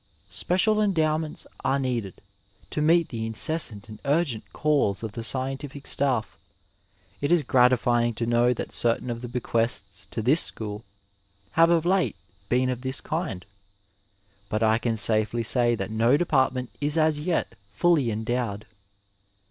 Special endowments are needed to meet the incessant and urgent calls of the scientific staff. It is gratifying to know that certain of the bequests to this school have of late been of this kind, but I can safely say that no department is as yet 206 Digitized by VjOOQiC AFTER TWENTY FIVE YEARS fully endowed.